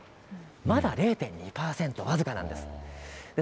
まだ０．２％、僅かなんです。